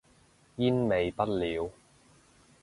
煙味不了